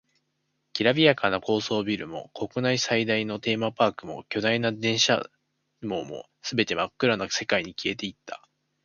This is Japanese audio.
きらびやかな高層ビルも、国内最大のテーマパークも、巨大な電車網も、全て真っ暗な世界に消えていった。